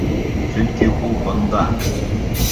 Сөнки ул бында!